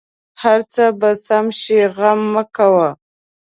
هر څه به سم شې غم مه کوه